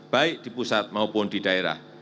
baik di pusat maupun di daerah